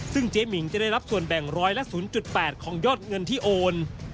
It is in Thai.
ซึ่งเจ๊หมิงจะได้รับส่วนแบ่งร้อยละ๐๘ของยอดเงินที่โอน